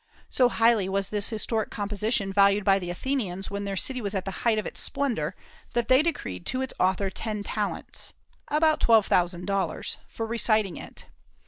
So highly was this historic composition valued by the Athenians when their city was at the height of its splendor that they decreed to its author ten talents (about twelve thousand dollars) for reciting it.